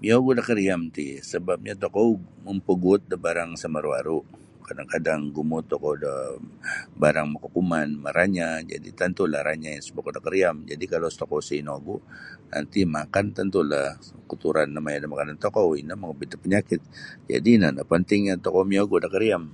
Miyogu' da kariam ti sebapnyo tokou mampaguut da barang sa maru-aru' kadang-kadang gumuut tokou do barang makakuman maranyah jadi' tantulah ranyahnyo sumokot da kariam jadi' kalau tokou isa' inogu' nanti makan tentulah kotoran no maya' da makanan tokou ino makaobit da panyakit jadi' ino nio pentingnyo tokou miyogu' da kariam.